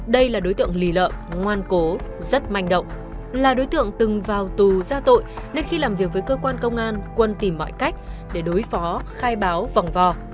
đây là đối tượng lì lợ ngoan cố rất manh động là đối tượng từng vào tù ra tội nên khi làm việc với cơ quan công an quân tìm mọi cách để đối phó khai báo vòng vò